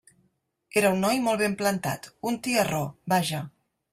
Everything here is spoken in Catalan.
Era un noi molt ben plantat, un tiarró, vaja.